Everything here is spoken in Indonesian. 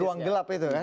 di ruang gelap itu kan